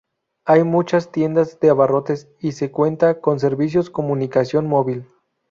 Hay muchas tiendas de abarrotes, y se cuenta con servicios comunicación móvil.